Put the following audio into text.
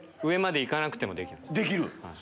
上まで行かなくてもできる。